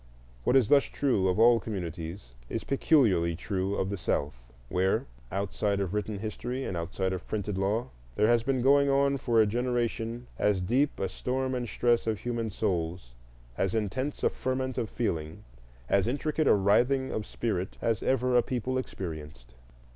What is thus true of all communities is peculiarly true of the South, where, outside of written history and outside of printed law, there has been going on for a generation as deep a storm and stress of human souls, as intense a ferment of feeling, as intricate a writhing of spirit, as ever a people experienced.